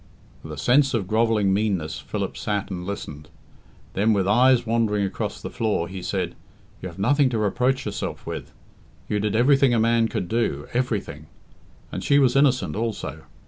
With a sense of grovelling meanness, Philip sat and listened. Then, with eyes wandering across the floor, he said, "You have nothing to reproach yourself with. You did everything a man could do everything. And she was innocent also.